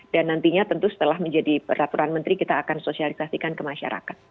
nantinya tentu setelah menjadi peraturan menteri kita akan sosialisasikan ke masyarakat